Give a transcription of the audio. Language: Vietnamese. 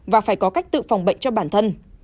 và phải có cách tự phòng bệnh cho bản thân